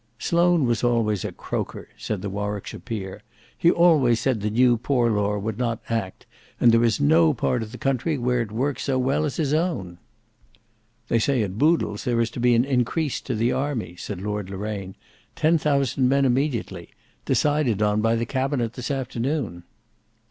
"Sloane was always a croaker," said the Warwickshire peer. "He always said the New Poor Law would not act, and there is no part of the country where it works so well as his own." "They say at Boodle's there is to be an increase to the army," said Lord Loraine, "ten thousand men immediately; decided on by the cabinet this afternoon."